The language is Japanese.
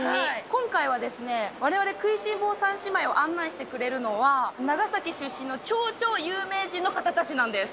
今回はですね、われわれ食いしん坊三姉妹を案内してくれるのは、長崎出身の超々有名人の方たちなんです。